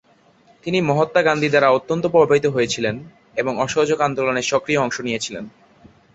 তিনি মহাত্মা গান্ধী দ্বারা অত্যন্ত প্রভাবিত হয়েছিলেন এবং অসহযোগ আন্দোলনে সক্রিয় অংশ নিয়েছিলেন।